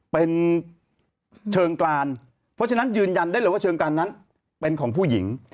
เป็นเชิงกรานเพราะฉะนั้นยืนยันได้เลยว่าเชิงการนั้นเป็นของผู้หญิง